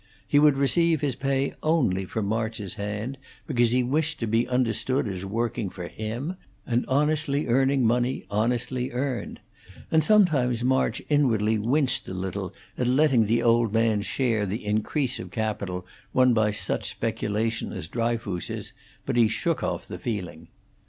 He would receive his pay only from March's hand, because he wished to be understood as working for him, and honestly earning money honestly earned; and sometimes March inwardly winced a little at letting the old man share the increase of capital won by such speculation as Dryfoos's, but he shook off the feeling.